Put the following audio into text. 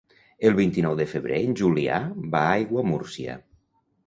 El vint-i-nou de febrer en Julià va a Aiguamúrcia.